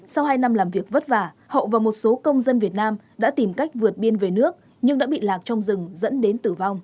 sau hai năm làm việc vất vả hậu và một số công dân việt nam đã tìm cách vượt biên về nước nhưng đã bị lạc trong rừng dẫn đến tử vong